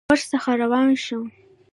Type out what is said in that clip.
ورڅخه روان شوم.